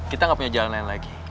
kita nggak punya jalan lain lagi